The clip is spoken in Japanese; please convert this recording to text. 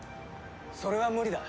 それは無理だ。